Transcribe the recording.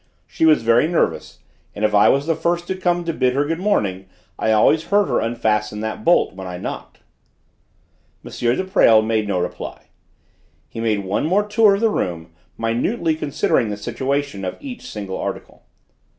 "She was very nervous, and if I was the first to come to bid her good morning I always heard her unfasten that bolt when I knocked." M. de Presles made no reply. He made one more tour of the room, minutely considering the situation of each single article. "M.